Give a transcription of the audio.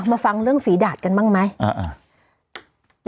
มาฟังเรื่องฝีดาดกันบ้างไหม